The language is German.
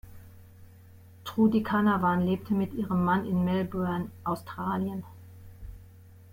Trudi Canavan lebt mit ihrem Mann in Melbourne, Australien.